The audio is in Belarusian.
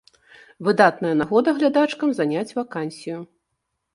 Выдатная нагода глядачкам заняць вакансію.